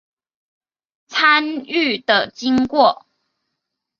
参与的经过